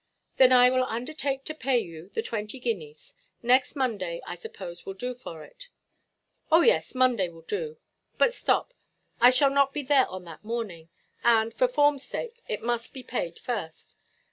"Then I will undertake to pay you the twenty guineas. Next Monday, I suppose, will do for it?" "Oh yes, Monday will do. But stop, I shall not be there on that morning; and, for formʼs sake, it must be paid first.